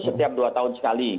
setiap dua tahun sekali